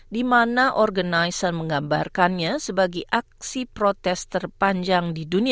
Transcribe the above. di mana organizer menggambarkannya sebagai aksi protes terpanjang di dunia